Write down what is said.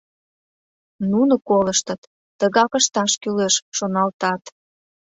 Нуно колыштыт, тыгак ышташ кӱлеш, шоналтат.